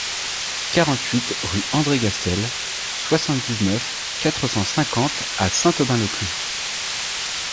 quarante-huit rue André Gastel, soixante-dix-neuf, quatre cent cinquante à Saint-Aubin-le-Cloud